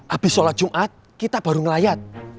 habis sholat jumat kita baru ngelayat